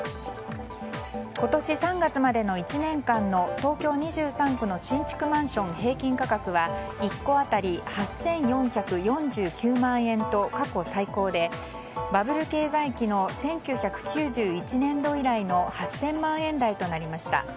今年３月までの１年間の東京２３区の新築マンション平均価格は１戸当たり８４４９万円と過去最高でバブル経済期の１９９１年度以来の８０００万円台となりました。